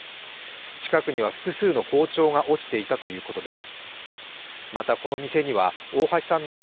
近くには複数の包丁が落ちていたということです。